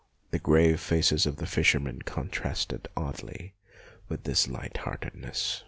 The grave faces of the fishermen contrasted oddly with this light heartedness.